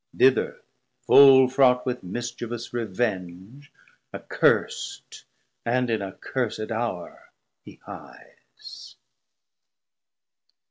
Thither full fraught with mischievous revenge, Accurst, and in a cursed hour he hies.